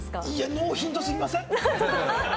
ノーヒント過ぎません？